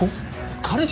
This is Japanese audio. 彼氏？